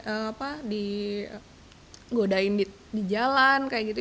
atau di godain di jalan kayak gitu